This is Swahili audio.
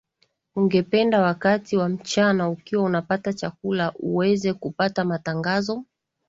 ungependa wakati wa mchana ukiwa unapata chakula uweze kupata matangazo